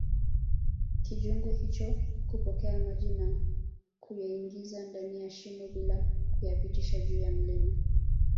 kijungu hicho kupokea maji na kuyaingiza ndani ya shimo bila kuyapitisha juu ya mlima